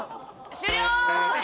終了！